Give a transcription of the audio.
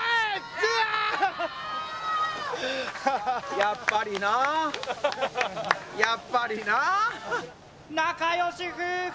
やっぱりなやっぱりな仲良し夫婦